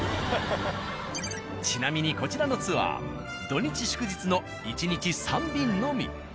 ちなみにこちらのツアー土日祝日の１日３便のみ。